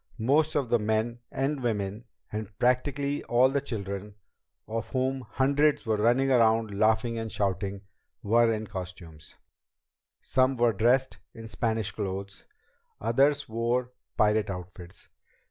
Most of the men and women, and practically all the children of whom hundreds were running around laughing and shouting were in costume. Some were dressed in Spanish clothes, others wore pirate outfits.